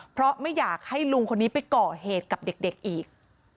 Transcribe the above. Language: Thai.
เพราะไม่อยากให้ลุงคนนี้ไปก่อเหตุกับเด็กอีก